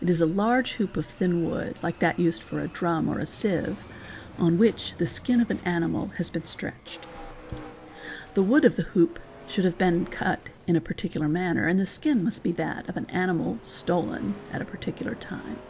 It is a large DIVINATION AND FORTUNE TELLING 395 hoop of thin wood (like that used for a drum or a sieve), on which the skin of an animal has been stretched. The wood of the hoop should have been cut in a particular manner and the skin must be that of an animal stolen at a particular time.